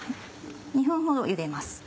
２分ほどゆでます。